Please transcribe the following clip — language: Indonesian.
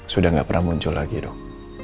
sudah gak pernah muncul lagi dok